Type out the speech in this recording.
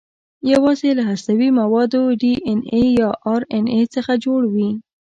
یواځې له هستوي موادو ډي ان اې یا ار ان اې څخه جوړ وي.